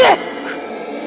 yanguluwan sen geji